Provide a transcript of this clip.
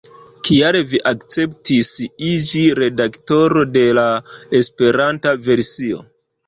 Kial vi akceptis iĝi redaktoro de la Esperanta versio?